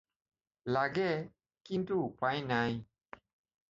লাগে, কিন্তু উপায় নাই।